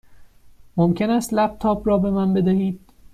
ممکن است لپ تاپ را به من بدهید؟